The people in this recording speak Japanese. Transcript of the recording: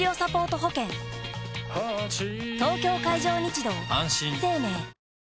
東京海上日動あんしん生命